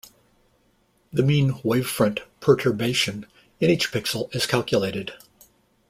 The mean wavefront perturbation in each pixel is calculated.